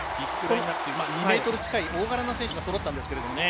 ２ｍ近い大柄な選手がそろったんですよね。